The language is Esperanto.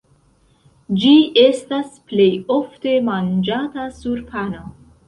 Ĝi estas plej ofte manĝata sur pano.